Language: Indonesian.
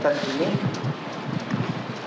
dan kemudian kemudian kemudian